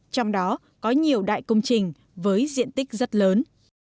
trong đó có nhiều đại công trình với diện tích rất lớn